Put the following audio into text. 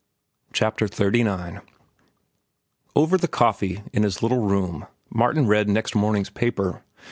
CHAPTER XXXIX. Over the coffee, in his little room, Martin read next morning's paper.